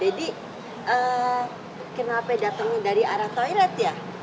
deddy kenapa datang dari arah toilet ya